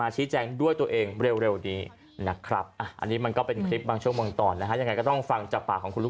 ติดต่อไม่ได้ครับไม่รับโทรศัพท์